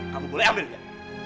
kamu boleh ambil ya